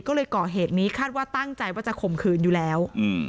ก็เลยก่อเหตุนี้คาดว่าตั้งใจว่าจะข่มขืนอยู่แล้ว